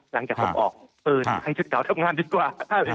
หลังจากผมออกเปิดให้ชุดเก่าทำงานดีกว่า